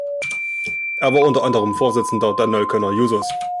Er war unter anderem Vorsitzender der Neuköllner Jusos.